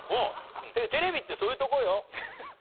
テレビってそういうとこよ。